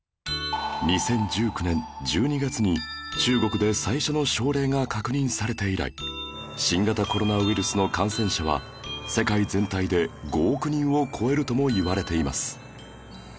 ２０１９年１２月に中国で最初の症例が確認されて以来新型コロナウイルスの感染者は世界全体で５億人を超えるともいわれています